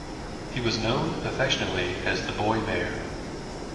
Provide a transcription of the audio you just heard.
He was known affectionately as the "Boy Mayor".